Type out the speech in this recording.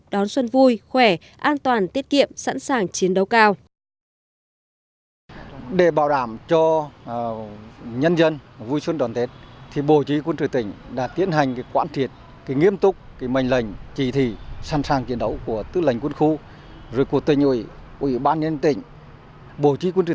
đón xuân vui khỏe an toàn tiết kiệm sẵn sàng chiến đấu cao